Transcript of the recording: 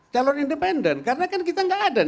calon independen karena kan kita nggak ada